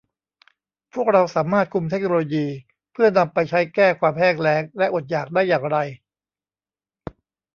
พวกเราสามารถคุมเทคโนโลยีเพื่อนำไปใช้แก้ความแห้งแล้งและอดอยากได้อย่างไร